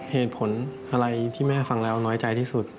เหตุผลอะไรที่แม่ฟังแล้วน้อยใจที่สุด